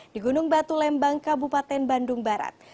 di gunung batu lembang kabupaten bandung barat